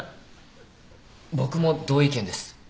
僕も同意見です。